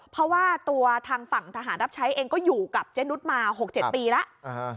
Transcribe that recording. เพราะว่าตัวทางฝั่งทหารรับใช้เองก็อยู่กับเจนุสมา๖๗ปีแล้ว